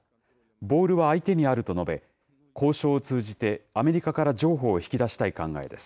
ボールは相手にあると述べ、交渉を通じて、アメリカから譲歩を引き出したい考えです。